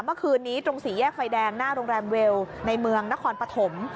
เมื่อคืนนี้ตรงสี่แยกไฟแดงหน้าโรงแรมเวลในเมืองนครปฐม